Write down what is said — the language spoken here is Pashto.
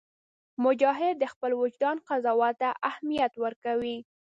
مجاهد د خپل وجدان قضاوت ته اهمیت ورکوي.